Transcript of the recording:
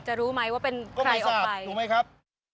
จะรู้ไหมว่าเป็นใครออกไปถูกไหมครับก็ไม่ทราบ